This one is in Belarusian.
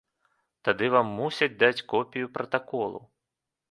Тады вам мусяць даць копію пратаколу.